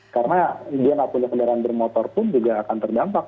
karena dia tidak punya kendaraan bermotor pun juga akan terdampak